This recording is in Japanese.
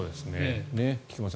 菊間さん